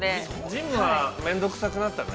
◆ジムは面倒くさくなったの？